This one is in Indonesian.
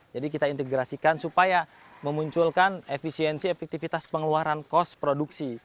jadi kita integrasikan supaya memunculkan efisiensi efektivitas pengeluaran kos produksi